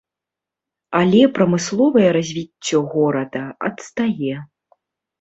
Але прамысловае развіццё горада адстае.